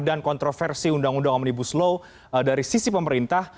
dan kontroversi undang undang omnibus law dari sisi pemerintah